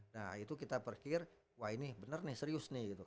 nah itu kita perkir wah ini bener nih serius nih gitu